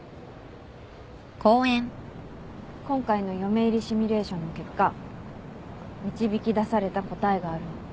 今回の嫁入りシミュレーションの結果導き出された答えがあるの。